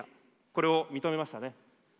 これを認めましたね。